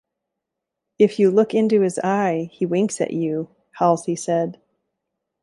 If you look into his eye, he winks at you, Halsey said.